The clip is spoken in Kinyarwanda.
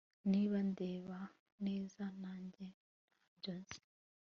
niba ndeba neza najye ntabyo nzi